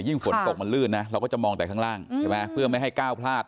ฝนตกมันลื่นนะเราก็จะมองแต่ข้างล่างใช่ไหมเพื่อไม่ให้ก้าวพลาด